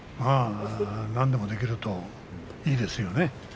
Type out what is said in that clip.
何でもできるといいですよね。